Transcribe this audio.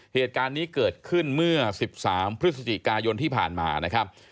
เหตุการณ์นี้เกิดขึ้นเมื่อ๑๓พฤศจิกายนที่ผ่านมานะครับ